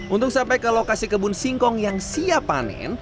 untuk sampai ke lokasi kebun singkong yang siap panen